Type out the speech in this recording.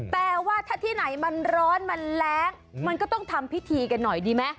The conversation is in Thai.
แต่ว่าถ้าที่ไหนมันร้อนมันแรงมันก็ต้องทำพิธีกันหน่อยดีไหม